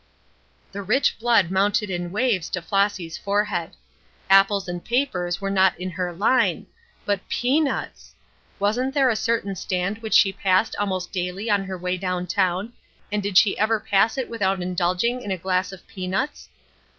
The rich blood mounted in waves to Flossy's forehead. Apples and papers were not in her line, but peanuts! wasn't there a certain stand which she passed almost daily on her way down town, and did she ever pass it without indulging in a glass of peanuts?